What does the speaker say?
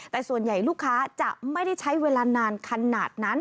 แต่ส่วนใหญ่ลูกค้าจะไม่ได้ใช้เวลานานขนาดนั้น